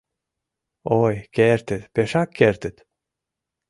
Ой, кертыт, пешак кертыт!